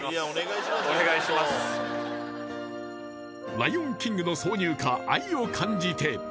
「ライオン・キング」の挿入歌「愛を感じて」